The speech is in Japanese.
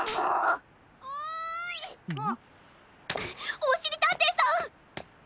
おしりたんていさん。